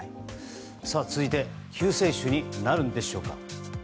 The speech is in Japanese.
続いて救世主になるんでしょうか。